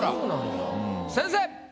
先生！